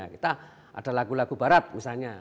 kita ada lagu lagu barat misalnya